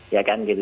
ya kan gitu